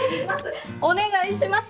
お願いします！